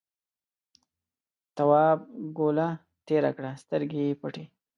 تواب گوله تېره کړه سترګې یې پټې.